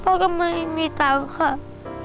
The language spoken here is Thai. พ่อก็ไม่มีตังค่ะ